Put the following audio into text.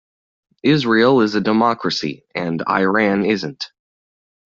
Israel is a democracy, and Iran isn't.